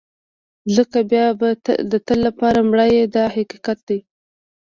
ځکه بیا به د تل لپاره مړ یې دا حقیقت دی.